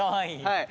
はい。